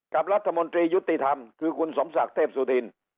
รัฐมนตรียุติธรรมคือคุณสมศักดิ์เทพสุธิน